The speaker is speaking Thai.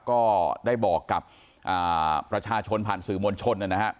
ก็ได้บอกกับประชาชนผ่านสื่อมวลชนนะครับ